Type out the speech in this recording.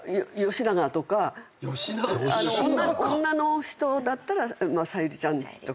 女の人だったら「小百合ちゃん」とか。